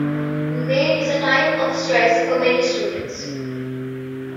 May is a time of stress for many students.